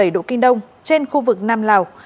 một trăm linh sáu bảy độ kinh đông trên khu vực nam lào